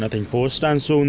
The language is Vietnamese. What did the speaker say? ở thành phố stansun